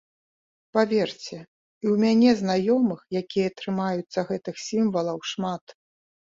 Паверце, і ў мяне знаёмых, якія трымаюцца гэтых сімвалаў, шмат.